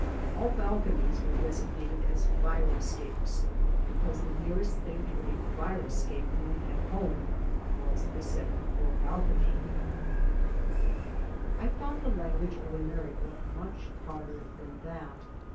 All balconies were designated 8 108 AN AMERICAN IN THE MAKING as fire escapes because the nearest thing to a fire escape known at home was a second floor balcony. I found the language of America much harder than that.